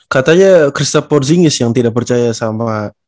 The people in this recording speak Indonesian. katanya christoph porzingis yang tidak percaya sama